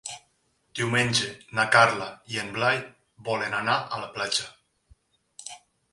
Diumenge na Carla i en Blai volen anar a la platja.